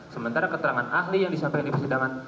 sementara keterangan ahli yang disampaikan di persidangan